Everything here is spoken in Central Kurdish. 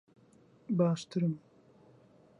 باشترم.